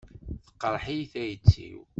Teqreḥ-iyi tayet-iw.